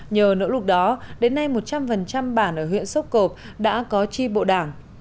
nhờ nỗ lục đó đến nay một trăm linh bản ở huyện xúc gộp đã có tri bộ đảng